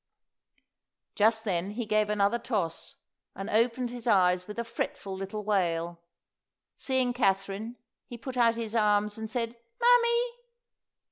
Just then he gave another toss, and opened his eyes with a fretful little wail. Seeing Katharine, he put out his arms and said, "Mammy!"